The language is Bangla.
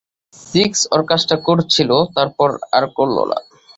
সিক্স ওর কাজটা করছিল, তারপর আর করল না।